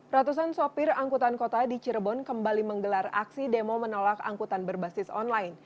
ratusan sopir angkutan kota di cirebon kembali menggelar aksi demo menolak angkutan berbasis online